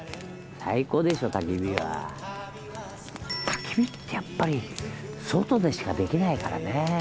たき火ってやっぱり外でしかできないからね。